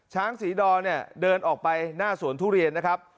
ช้างศรีดอนเนี่ยเดินออกไปหน้าสวนทุเรียนนะครับ